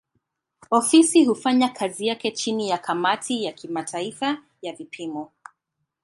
Ofisi hufanya kazi yake chini ya kamati ya kimataifa ya vipimo.